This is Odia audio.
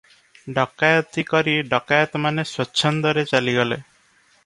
ଡକାଏତି କରି ଡକାଏତମାନେ ସ୍ୱଚ୍ଛନ୍ଦରେ ଚାଲିଗଲେ ।